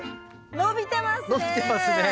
伸びてますね。